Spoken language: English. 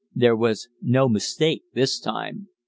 There was no mistake this time.